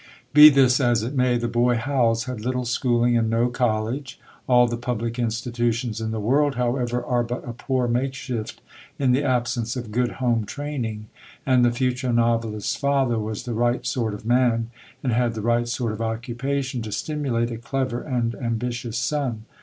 Be this as it may, the boy Howells had little schooling and no college. All the public institutions in the world, however, are but a poor makeshift in the absence of good home training; and the future novelist's father was the right sort of man and had the right sort of occupation to stimulate a clever and ambitious son.